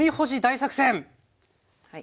はい。